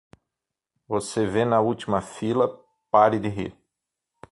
Você vê na última fila, pare de rir!